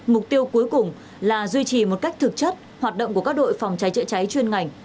mục tiêu cuối cùng là duy trì một cách thực chất hoạt động của các đội phòng trái trịa trái chuyên ngành